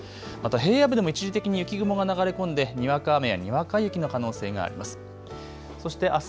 平野部でも一時的に雪雲が流れ込んでにわか雨やにわか雪の可能性があります。